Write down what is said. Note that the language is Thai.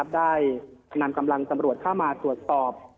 ได้นำกำลังตำรวจเข้ามาตรวจสอบ